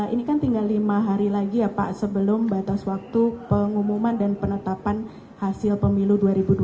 ini kan tinggal lima hari lagi ya pak sebelum batas waktu pengumuman dan penetapan hasil pemilu dua ribu dua puluh